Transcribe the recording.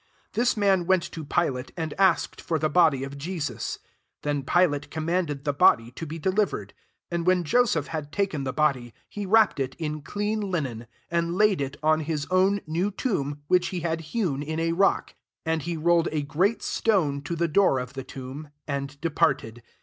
58 This man went to Pilate, anfi asked for the body of Jesus. Then Pilate com manded the body to be deliver ed. 59 And when Joseph had taken the body, he wrapped it in clean linen ; 60 and laid it in his own new tomb, which he had hewn in a rock; and he rolled a great stone to the door of the tomb, and departed.